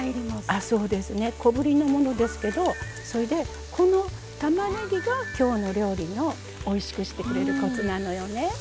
あそうですね。小ぶりのものですけどそれでこのたまねぎが今日の料理のおいしくしてくれるコツなのよね。